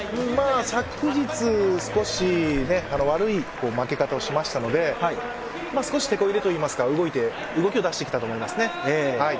昨日、少し悪い負け方をしましたので、少してこ入れといいますか、動きを出してきたと思いますね。